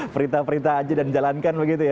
perintah perintah aja dan jalankan begitu ya